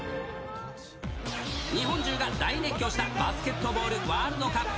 日本中が大熱狂したバスケットボールワールドカップ。